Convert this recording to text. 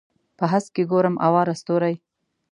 په هسک کې ګورم اواره ستوري